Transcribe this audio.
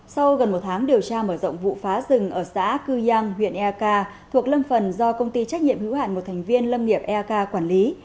sau gần một tháng điều tra mở rộng vụ phá rừng ở xã cư giang huyện ea ca thuộc lâm phần do công ty trách nhiệm hữu hạn một thành viên lâm nghiệp ea ca quản lý